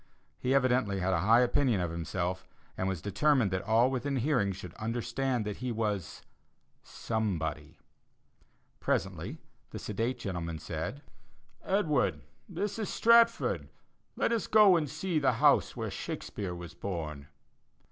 He evidently had a high opinion of himself, and was determined that all within hearing should understand that he was somebody. Presently the sedate gentleman said: "Edward, this is Stratford. Let us go and see the house where Shakespeare was born."